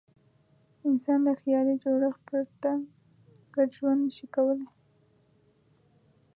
انسان له خیالي جوړښت پرته ګډ ژوند نه شي کولای.